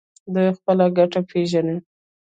دوی خپله ګټه پیژني.